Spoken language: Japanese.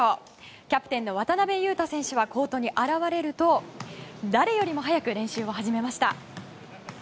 キャプテンの渡邊雄太選手はコートに現れると誰よりも早く練習を始めました。